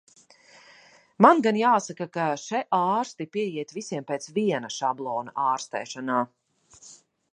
Man gan jāsaka, ka še ārsti pieiet visiem pēc viena šablona ārstēšanā.